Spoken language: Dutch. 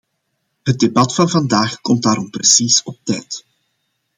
Het debat van vandaag komt daarom precies op tijd.